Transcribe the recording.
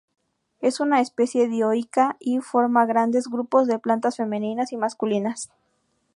Es una especie dioica y forma grandes grupos de plantas femeninas o masculinas.